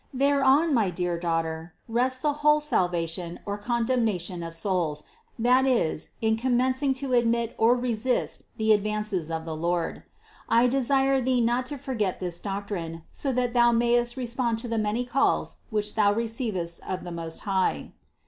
Thereon, my dear daughter, rests the whole salvation or condemnation of souls, that is, in commencing to admit or resist the advances of the Lord. I desire thee not to forget this doctrine, so that thou mayest respond to the many calls which thou receivest of the Most High.